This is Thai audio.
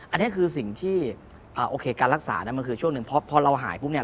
อันนี้คือสิ่งที่โอเคการรักษามันคือช่วงหนึ่งพอเราหายปุ๊บเนี่ย